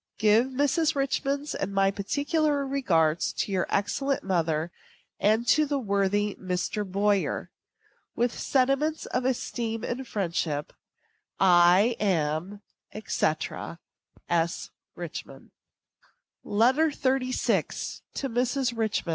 Give Mrs. Richman's and my particular regards to your excellent mother and to the worthy Mr. Boyer. With sentiments of esteem and friendship, I am, &c., S. RICHMAN. LETTER XXXVI. TO MRS. RICHMAN.